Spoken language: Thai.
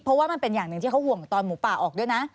เพราะว่ามันเป็นอย่างหนึ่งที่เขาห่วงตอนหมูป่าออกด้วยนะ